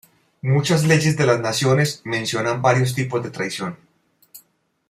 Muchas leyes de las naciones mencionan varios tipos de traición.